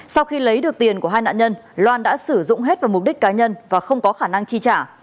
sau khi lấy được tiền của hai nạn nhân loan đã sử dụng hết vào mục đích cá nhân và không có khả năng chi trả